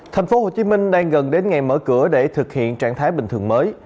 thành phố hồ chí minh đang gần đến ngày mở cửa để thực hiện trạng thái bình thường mới